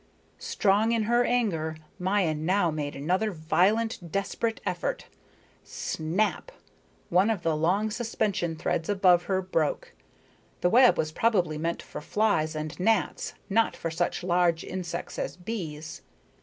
Strong in her anger, Maya now made another violent, desperate effort. Snap! One of the long suspension threads above her broke. The web was probably meant for flies and gnats, not for such large insects as bees.